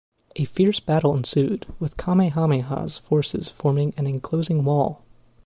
A fierce battle ensued, with Kamehameha's forces forming an enclosing wall.